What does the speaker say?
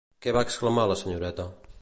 Què va exclamar la senyoreta?